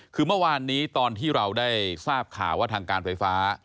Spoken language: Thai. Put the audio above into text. คือเมื่อวานนี้ตอนที่เราได้ทราบข่าวว่าทางการไฟฟ้า